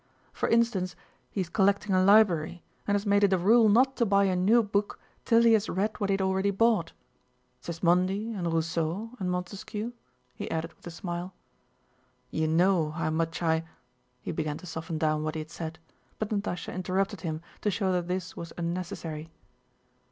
"For instance, he is collecting a library and has made it a rule not to buy a new book till he has read what he had already bought—Sismondi and Rousseau and Montesquieu," he added with a smile. "You know how much I..." he began to soften down what he had said; but Natásha interrupted him to show that this was unnecessary.